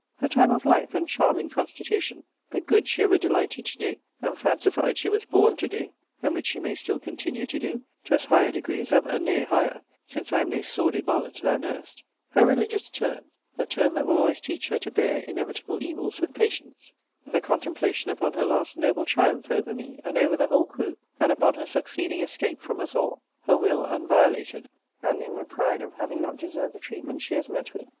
Her time of life, and charming constitution: the good she ever delighted to do, and fancified she was born to do; and which she may still continue to do, to as high a degree as ever; nay, higher: since I am no sordid varlet, thou knowest: her religious turn: a turn that will always teach her to bear inevitable evils with patience: the contemplation upon her last noble triumph over me, and over the whole crew; and upon her succeeding escape from us all: her will unviolated: and the inward pride of having not deserved the treatment she has met with.